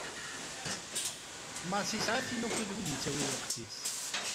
Massi yesɛa tin ukkud i d-yettawi lweqt-is.